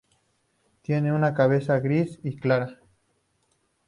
Tiene una cabeza gris clara.